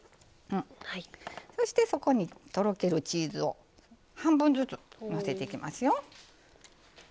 そして、そこにとろけるチーズを半分ずつ、のせていきますよ。